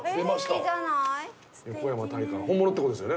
本物ってことですよね。